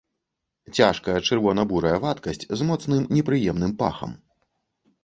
Цяжкая чырвона-бурая вадкасць з моцным непрыемным пахам.